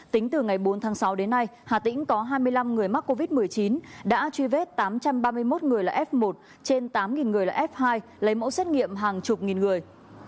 tính từ ngày bốn tháng sáu đến nay hà tĩnh có hai mươi năm người mắc covid một mươi chín đã truy vết tám trăm ba mươi một người là f một trên tám người là f hai lấy mẫu xét nghiệm hàng chục nghìn người